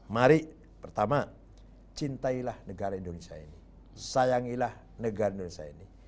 mari pertama cintailah negara indonesia ini sayangilah negara indonesia ini